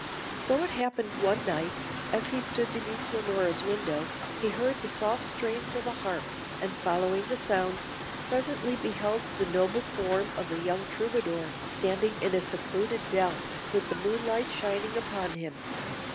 So it happened one night, as he stood beneath Leonora's window, he heard the soft strains of a harp, and following the sounds, presently beheld the noble form of the young Troubadour standing in a secluded dell, with the moonlight shining upon him.